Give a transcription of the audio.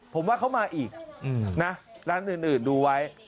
ผมว่าเขามาอีกนะร้านอื่นดูไว้